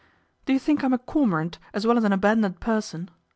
" Do you think I'm a cormorant, as well as an abandoned person